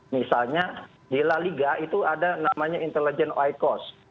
misalnya di la liga itu ada namanya intelligent oikos